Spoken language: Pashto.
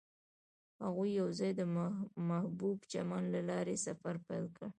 هغوی یوځای د محبوب چمن له لارې سفر پیل کړ.